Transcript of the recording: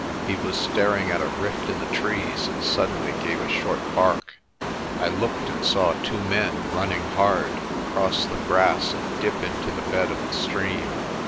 He was staring at a rift in the trees and suddenly gave a short bark. I looked and saw two men, running hard, cross the grass and dip into the bed of the stream.